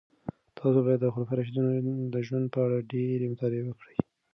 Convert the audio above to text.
تاسو باید د خلفای راشدینو د ژوند په اړه ډېرې مطالعې وکړئ.